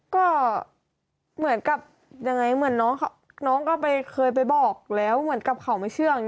ก็เหมือนกับยังไงเหมือนน้องก็เคยไปบอกแล้วเหมือนกับเขาไม่เชื่ออย่างนี้